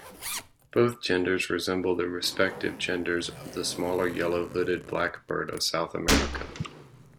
Both genders resemble the respective genders of the smaller yellow-hooded blackbird of South America.